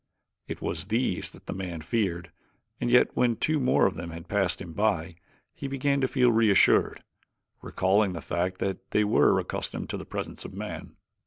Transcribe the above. It was these that the man feared and yet when two more of them had passed him by he began to feel reassured, recalling the fact that they were accustomed to the presence of man.